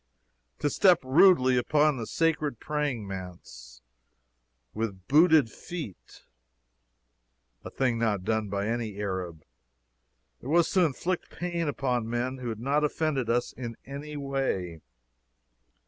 To step rudely upon the sacred praying mats, with booted feet a thing not done by any Arab was to inflict pain upon men who had not offended us in any way.